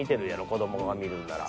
子どもが見るんなら。